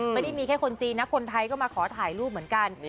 ไม่ได้มีแค่คนจีนนะคนไทยก็มาขอถ่ายรูปเหมือนกัน